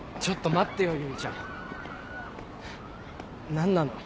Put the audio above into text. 何なの？